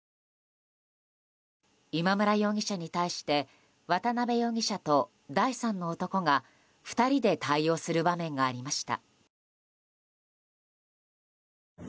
今村容疑者に対して渡邉容疑者と第三の男が２人で対応する場面がありました。